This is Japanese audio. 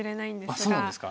あっそうなんですか？